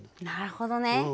なるほどね。